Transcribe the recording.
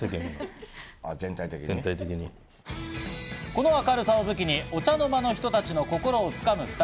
この明るさを武器に、お茶の間の人たちの心を掴む２人。